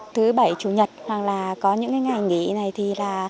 thứ bảy chủ nhật hoặc là có những cái ngày nghỉ này thì là